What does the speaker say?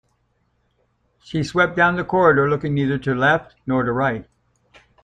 She swept down the corridor, looking neither to left nor to right.